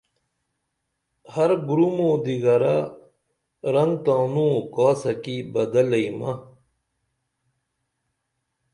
ہر گُروم او دِگرہ رنگ تانوں کاسہ کی بدلئی مہ